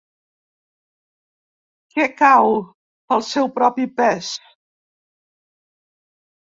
Que cau pel seu propi pes.